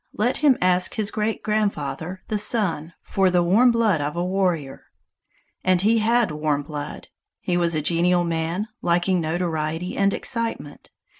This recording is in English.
Let him ask his great grandfather, the Sun, for the warm blood of a warrior!" And he had warm blood. He was a genial man, liking notoriety and excitement.